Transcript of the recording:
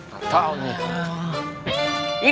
gak tau nih